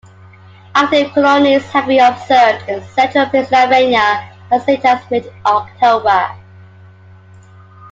Active colonies have been observed in central Pennsylvania as late as mid-October.